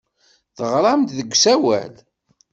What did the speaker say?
Teɣram-d deg usawal.